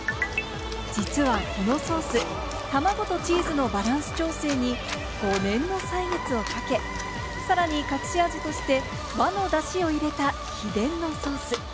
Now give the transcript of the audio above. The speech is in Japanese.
実はこのソース、卵とチーズのバランス調整に５年の歳月をかけ、さらに隠し味として、和のダシを入れた秘伝のソース。